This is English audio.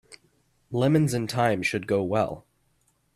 Lemons and thyme should go well.